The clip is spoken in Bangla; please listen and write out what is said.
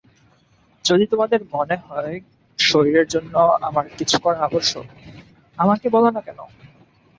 যদি তোমাদের মনে হয় শরীরের জন্য আমার কিছু করা আবশ্যক, আমাকে বলো-না কেন?